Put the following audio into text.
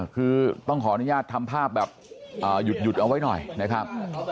คือต้องขออนุญาตทำภาพแบบหยุดเอาไว้หน่อยนะครับ